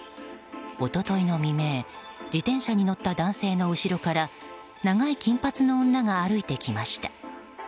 一昨日の未明自転車に乗った男性の後ろから長い金髪の女が歩いてきました。